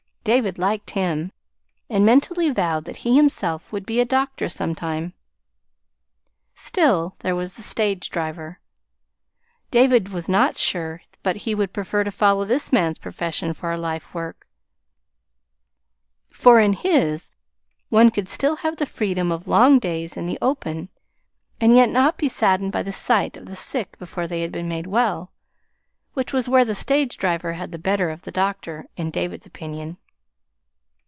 David liked him, and mentally vowed that he himself would be a doctor sometime. Still, there was the stage driver David was not sure but he would prefer to follow this man's profession for a life work; for in his, one could still have the freedom of long days in the open, and yet not be saddened by the sight of the sick before they had been made well which was where the stage driver had the better of the doctor, in David's opinion.